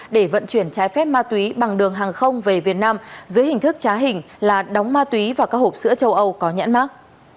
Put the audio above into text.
để vận chuyển trái phép ma túy bằng đường hàng không về việt nam dưới hình thức trá hình là đóng ma túy và các hộp sữa châu âu có nhãn mát